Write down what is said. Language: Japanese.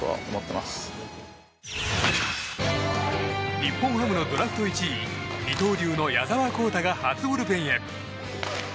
日本ハムのドラフト１位二刀流の矢澤宏太が初ブルペンへ。